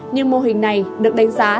nhưng mô hình này được đánh giá